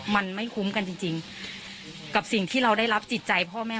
มันไม่คุ้มกันจริงกับสิ่งที่เราได้รับจิตใจ